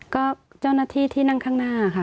ก็เจ้าหน้าที่ที่นั่งข้างหน้าค่ะ